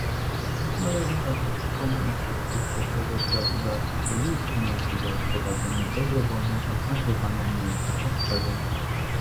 Należy także przypomnieć, że dotychczasowe prawodawstwo już umożliwia wprowadzenie dobrowolnego znakowania mięsa owczego